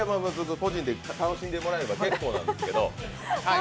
個人で楽しんでもらえれば結構なんですけれども。